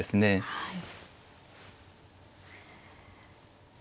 はい。